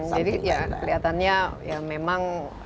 jadi ya kelihatannya ya memang